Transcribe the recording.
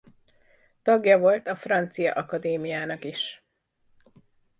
Tagja volt a francia akadémiának is.